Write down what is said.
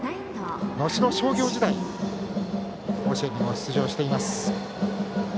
能代商業時代、甲子園にも出場しています。